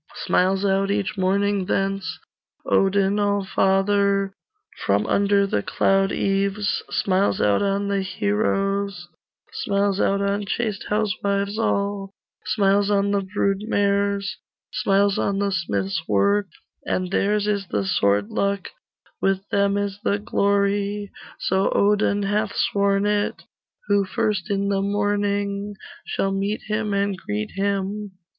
Smiles out each morning thence Odin Allfather; From under the cloud eaves, Smiles out on the heroes, Smiles out on chaste housewives all, Smiles on the brood mares, Smiles on the smith's work: And theirs is the sword luck, With them is the glory So Odin hath sworn it Who first in the morning Shall meet him and greet him.